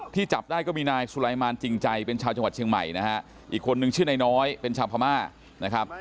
จับได้ก็มีนายสุรายมารจริงใจเป็นชาวจังหวัดเชียงใหม่นะฮะอีกคนนึงชื่อนายน้อยเป็นชาวพม่านะครับ